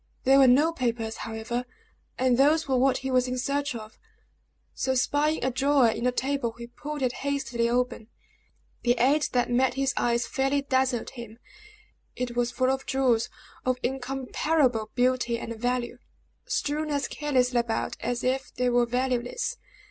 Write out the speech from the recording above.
There were no papers, however, and those were what he was in search of; so spying a drawer in the table, he pulled it hastily open. The sight that met his eyes fairly dazzled him. It was full of jewels of incomparable beauty and value, strewn as carelessly about as if they were valueless.